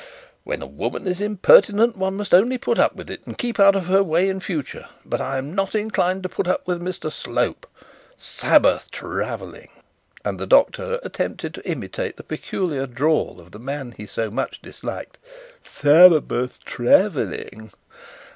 'When a woman is impertinent one must only put up with it, and keep out of her way in future; but I am not inclined to put up with Mr Slope. "Sabbath travelling!"' and the doctor attempted to imitate the peculiar drawl of the man he so much disliked: '"Sabbath travelling!"